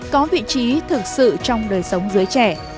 có vị trí thực sự trong đời sống dưới trẻ